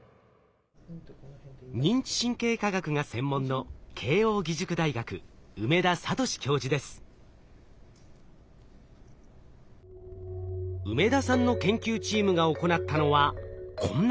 認知神経科学が専門の梅田さんの研究チームが行ったのはこんな実験。